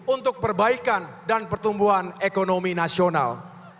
untuk perbaikan dan pertumbuhan ekonomi nasional